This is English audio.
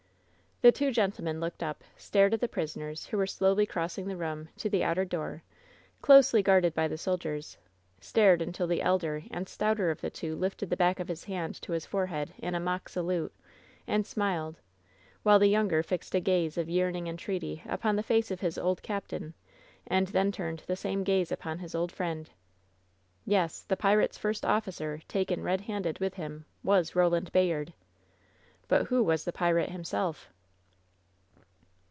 The two gentlemen looked up, stared at the prisoners who were slowly crossing the room to the outer door, closely guarded by the soldiers — stared until the elder and stouter of the two lifted the back of his hand to his forehead in a mock salute, and smiled, while the younger fixed a gaze of yearning entreaty upon the face of his 80 WHEN SHADOWS DEE old captain, and then turned the same gaze upon his old friend. Yes! the pirate's first officer, taken, red handed, with him, was Roland Bayard! But who was the pirate himself?